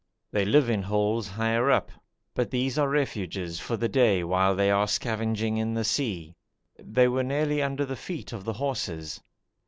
They live in holes higher up, but these are refuges for the day while they are scavenging in the sea. They were nearly under the feet of the horses.